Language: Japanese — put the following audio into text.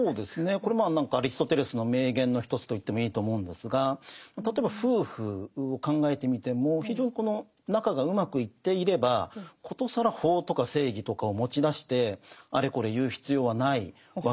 これもアリストテレスの名言の一つと言ってもいいと思うんですが例えば夫婦を考えてみても非常にこの仲がうまくいっていれば殊更法とか正義とかを持ち出してあれこれ言う必要はないわけですよね。